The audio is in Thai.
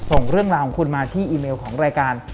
ส่งเรื่องราวของคุณมาที่อีเมลของรายการ